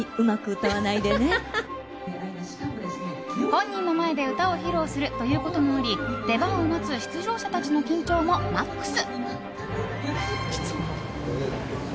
本人の前で歌を披露するということもあり出番を待つ出場者たちの緊張もマックス！